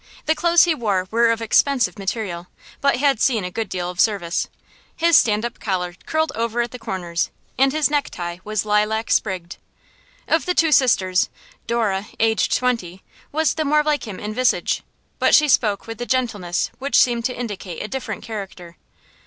The clothes he wore were of expensive material, but had seen a good deal of service. His stand up collar curled over at the corners, and his necktie was lilac sprigged. Of the two sisters, Dora, aged twenty, was the more like him in visage, but she spoke with a gentleness which seemed to indicate a different character.